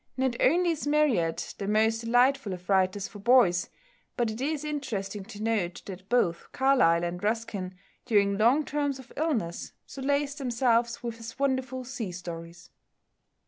Not only is Marryat the most delightful of writers for boys, but it is interesting to note that both Carlyle and Ruskin during long terms of illness solaced themselves with his wonderful sea stories.